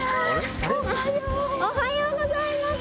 おはよう！おはようございます！